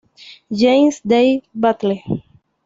James Day Battle.